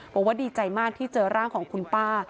บอกว่าดีใจมากที่เจอร่างของคุณป้า